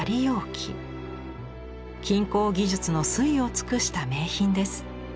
金工技術の粋を尽くした名品です。